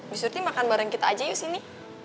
ibu surti makan bareng kita aja yuk sini